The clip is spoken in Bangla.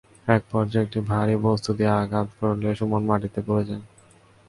একপর্যায়ে একটি ভারী বস্তু দিয়ে আঘাত করলে সুমন মাটিতে পড়ে যায়।